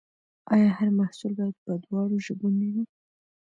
آیا هر محصول باید په دواړو ژبو نه وي؟